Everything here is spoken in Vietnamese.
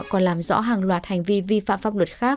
còn làm rõ hàng loạt hành vi vi phạm pháp luật khác